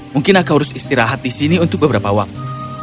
mungkin aku harus istirahat di sini untuk beberapa waktu